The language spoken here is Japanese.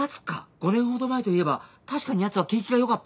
５年ほど前といえば確かにやつは景気が良かった。